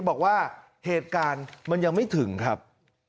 บอกว่าเหตุการณ์มันยังไม่ถึงครับ